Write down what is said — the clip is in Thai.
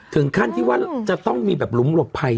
ถึงขั้นที่ว่าลุ้มหลบไภ